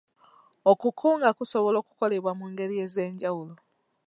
Okukunga kusobola okukolebwa mu ngeri ez'enjawulo.